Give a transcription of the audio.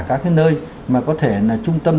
các cái nơi mà có thể là trung tâm